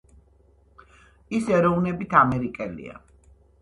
ის ეროვნებით ამერიკელია.